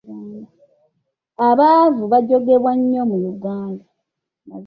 Abaavu bajoogebwa nnyo mu Uganda.